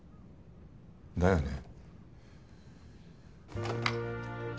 だよね。